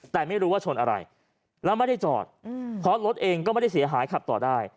แต่ไม่รู้ว่าชนอะไรแล้วไม่ได้จอดเพราะรถเองก็ไม่ได้เสียหายขับต่อได้